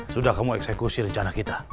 sudah kamu eksekusi rencana kita